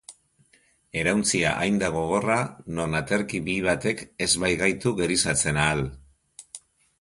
Erauntsia hain da gogorra non aterki bihi batek ez baigaitu gerizatzen ahal.